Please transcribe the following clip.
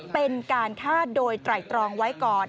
เป็นการฆ่าโดยไตรตรองไว้ก่อน